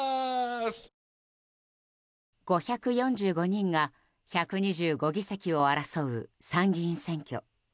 ５４５人が１２５議席を争う参議院選挙。